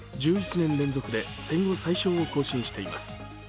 １１年連続で戦後最少を更新しています。